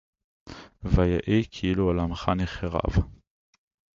וַיְהִי כְּאִלּוּ עוֹלָמְךָ נֶחֱרַב